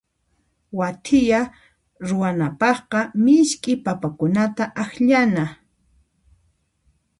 Wathiya ruwanapaqqa misk'i papakunata akllana.